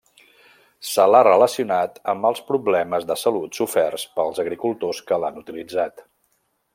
Se l'ha relacionat amb els problemes de salut soferts pels agricultors que l'han utilitzat.